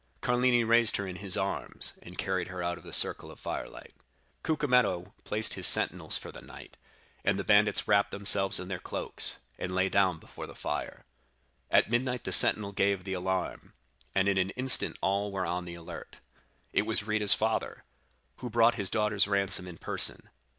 "Carlini raised her in his arms, and carried her out of the circle of firelight. Cucumetto placed his sentinels for the night, and the bandits wrapped themselves in their cloaks, and lay down before the fire. At midnight the sentinel gave the alarm, and in an instant all were on the alert. It was Rita's father, who brought his daughter's ransom in person.